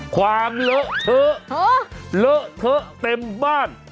ความเหลือเถอะเหลือเถอะเต็มบ้าน